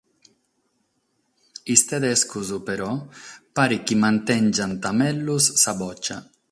Sos tedescos però paret chi mantèngiant mègius sa botza.